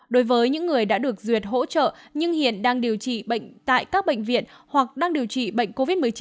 đối với những người đã được duyệt hỗ trợ nhưng hiện đang điều trị tại các bệnh viện hoặc đang điều trị bệnh covid một mươi chín